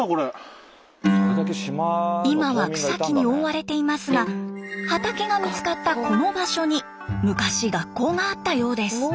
今は草木に覆われていますが畑が見つかったこの場所に昔学校があったようです。